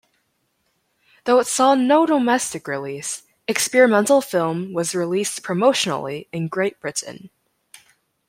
Though it saw no domestic release, "Experimental Film" was released promotionally in Great Britain.